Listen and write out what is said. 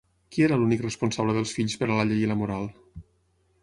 Qui era l'únic responsable dels fills per la llei i la moral?